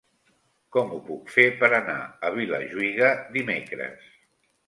Com ho puc fer per anar a Vilajuïga dimecres?